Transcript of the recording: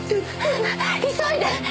急いで！